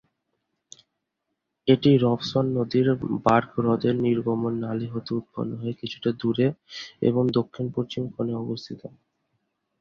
এটি রবসন নদীর বার্গ হ্রদের নির্গমন নালী হতে উৎপন্ন হয়ে কিছুটা দূরে এবং দক্ষিণ-পশ্চিমে কোনে অবস্থিত।